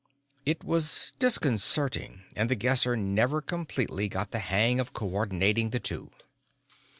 It was disconcerting and The Guesser never completely got the hang of co ordinating the two.